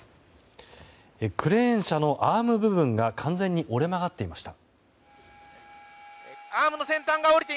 クレーン車のアーム部分が完全に折れ曲がっていました。